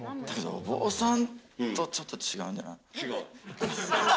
お坊さんとはちょっと違うんじゃない？